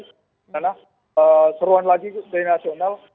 karena seruan lagi dari nasional